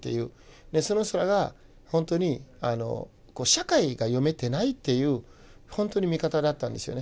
その人らがほんとに社会が読めてないっていうほんとに見方だったんですよね。